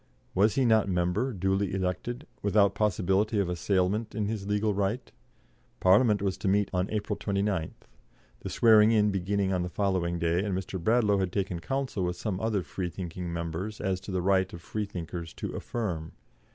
Was he not member, duly elected, without possibility of assailment in his legal right? Parliament was to meet on April 29th, the swearing in beginning on the following day, and Mr. Bradlaugh had taken counsel with some other Freethinking members as to the right of Freethinkers to affirm.